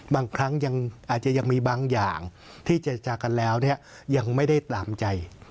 บางครั้งยังอาจจะยังมีบางอย่างที่เจรจากันแล้วยังไม่ได้ตามใจ